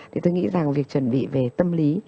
thì tôi nghĩ rằng việc chuẩn bị về tâm lý